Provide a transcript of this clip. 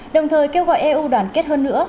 đồng thời kêu gọi eu đoàn kết hơn nữa